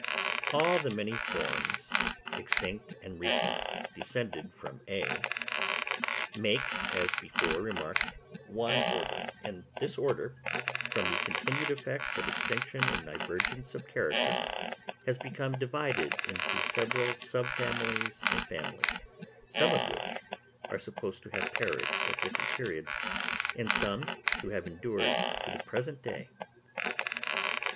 All the many forms, extinct and recent, descended from (A), make, as before remarked, one order; and this order, from the continued effects of extinction and divergence of character, has become divided into several sub families and families, some of which are supposed to have perished at different periods, and some to have endured to the present day.